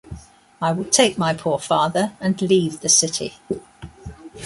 I will take my poor father and leave the city.